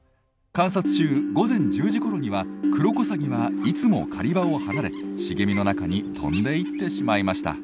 観察中午前１０時ごろにはクロコサギはいつも狩り場を離れ茂みの中に飛んでいってしまいました。